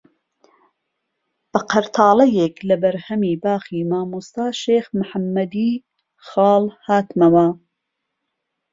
بە قەرتاڵەیەک لە بەرهەمی باخی مامۆستا شێخ محەممەدی خاڵ هاتمەوە